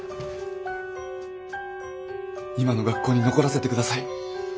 今の学校に残らせて下さい。